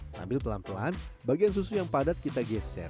sambil pelan pelan bagian susu yang padat kita geser